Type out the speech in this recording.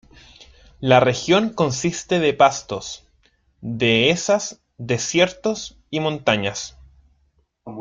La región consiste de pastos, dehesas, desiertos y montañas.